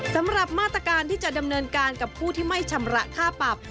สำหรับมาตรการที่จะดำเนินการกับผู้ที่ไม่ชำระค่าปรับ